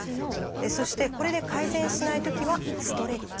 そしてこれで改善しないときは「ストレッチ」。